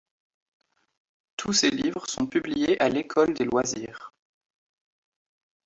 Tous ses livres sont publiés à l'École des loisirs.